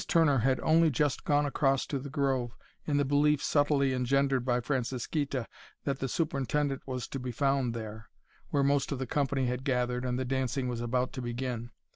Turner had only just gone across to the grove, in the belief, subtly engendered by Francisquita, that the superintendent was to be found there, where most of the company had gathered and the dancing was about to begin.